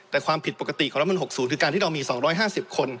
แต่ความผิดปกติของรัฐมูลหกศูนย์คือการที่เรามีสองร้อยห้าสิบคน